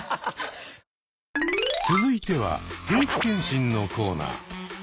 続いては定期検診のコーナー。